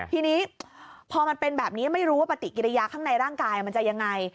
ทีนี้พอมันเป็นแบบนี้ไม่รู้ว่าปฏิกิริยาข้างในร่างกายมันจะยังไง